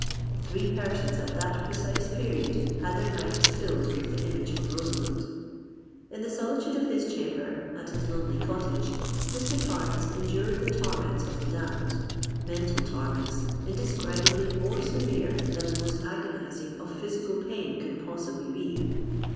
Three persons at that precise period had their minds filled with the image of Rosamond! In the solitude of his chamber, at his lonely cottage, Mr. Torrens endured the torments of the damned,—mental torments, indescribably more severe than the most agonising of physical pain could possibly be.